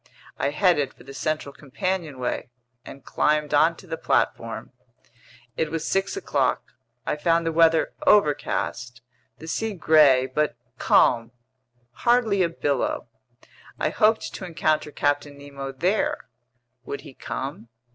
I headed for the central companionway and climbed onto the platform. It was six o'clock. I found the weather overcast, the sea gray but calm. Hardly a billow. I hoped to encounter Captain Nemo there—would he come?